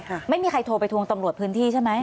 ไม่มีใครโทรไปทวงตำรวจพื้นที่ใช่ไหม